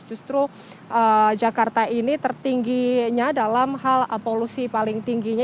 justru jakarta ini tertingginya dalam hal polusi paling tingginya